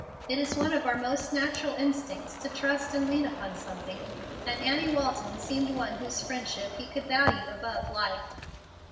It is one of our most natural instincts to trust and lean upon something, and Annie Walton seemed one whose friendship he could value above life.